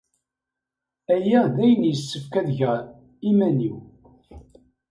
Aya d ayen yessefk ad geɣ iman-iw.